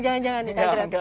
jangan jangan nih grace